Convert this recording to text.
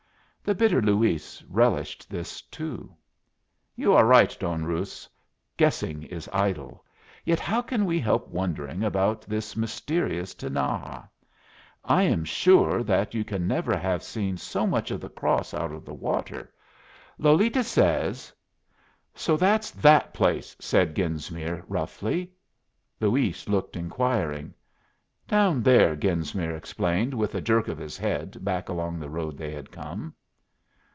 The bitter Luis relished this too. "You are right, Don Ruz. Guessing is idle. Yet how can we help wondering about this mysterious Tinaja? I am sure that you can never have seen so much of the cross out of water. Lolita says " "So that's that place," said Genesmere, roughly. Luis looked inquiring. "Down there," Genesmere explained, with a jerk of his head back along the road they had come.